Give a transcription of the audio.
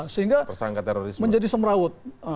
sehingga menjadi semraut